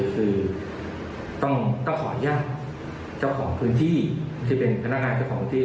คือต้องขออนุญาตเจ้าของพื้นที่ที่เป็นพนักงานเจ้าของที่